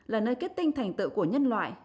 là nơi kết tinh thành tựu của nhân loại